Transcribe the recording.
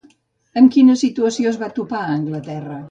Amb quina situació es va topar a Anglaterra?